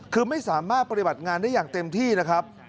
คือไม่สามารถปฏิบัติงานได้อย่างเต็มที่นะครับ